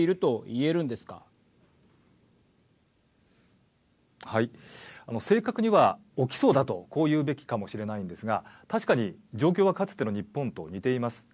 あの正確には起きそうだとこう言うべきかもしれないんですが確かに状況はかつての日本と似ています。